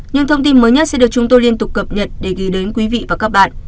những thông tin mới nhất sẽ được chúng tôi liên tục cập nhật để gửi đến quý vị và các bạn